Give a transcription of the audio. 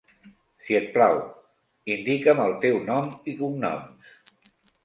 Si et plau, indica'm el teu nom i cognoms.